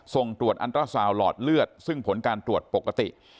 ส่งตรวจอันตราซาวหลอดเลือดซึ่งผลการตรวจปกติ